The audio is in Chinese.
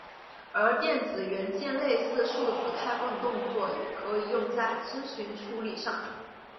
而电子元件类似数字开关的动作也可以用在资讯处理上。